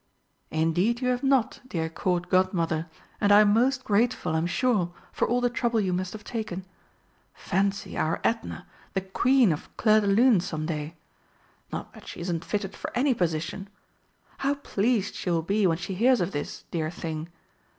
"Indeed you have not, dear Court Godmother; and I'm most grateful, I'm sure, for all the trouble you must have taken. Fancy our Edna the Queen of Clairdelune some day! Not that she isn't fitted for any position. How pleased she will be when she hears of this, dear thing!